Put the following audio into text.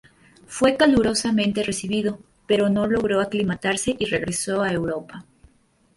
Fue calurosamente recibido, pero no logró aclimatarse y regresó a Europa.